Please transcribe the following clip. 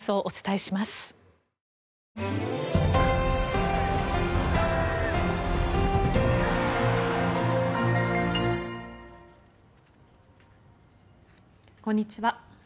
こんにちは。